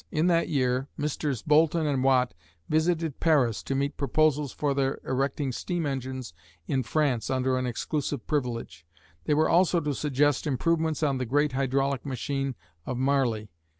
In that year Messrs. Boulton and Watt visited Paris to meet proposals for their erecting steam engines in France under an exclusive privilege. They were also to suggest improvements on the great hydraulic machine of Marly.